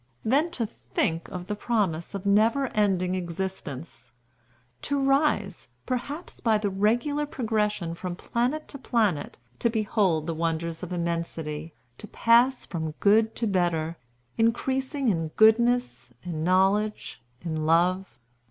Then to think of the promise of never ending existence! To rise, perhaps, by regular progression from planet to planet, to behold the wonders of immensity, to pass from good to better, increasing in goodness, in knowledge, in love.